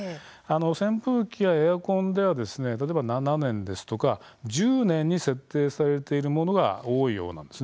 扇風機やエアコンでは例えば７年ですとか１０年に設定されているものが多いようなんです。